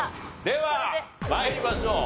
では参りましょう。